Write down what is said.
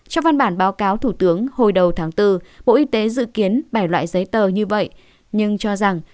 trong văn bản báo cáo thủ tướng hồi đầu tháng bốn bộ y tế dự kiến bảy loại giấy tờ như vậy nhưng cho rằng